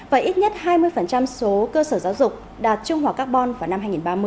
và ít nhất hai mươi số cơ sở giáo dục đạt trung hòa carbon vào năm hai nghìn ba mươi